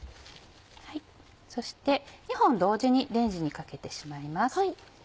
そして２本同時にレンジにかけてしまいます。